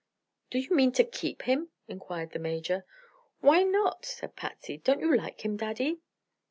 "Do you mean to keep him?" inquired the Major. "Why not?" said Patsy. "Don't you like him, Daddy?"